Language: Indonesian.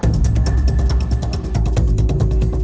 nggak mau gitu